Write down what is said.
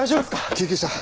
救急車。